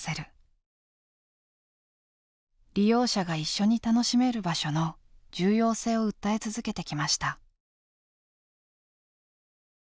利用者が一緒に楽しめる場所の重要性を訴え続けてきました。